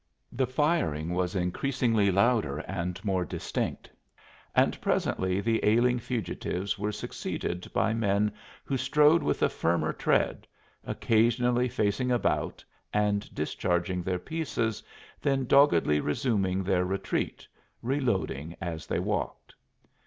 The firing was increasingly louder and more distinct, and presently the ailing fugitives were succeeded by men who strode with a firmer tread, occasionally facing about and discharging their pieces, then doggedly resuming their retreat, reloading as they walked.